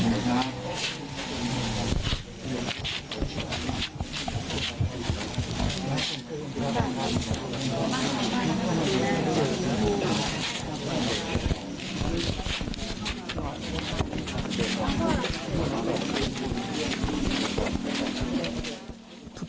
หมดแล้ว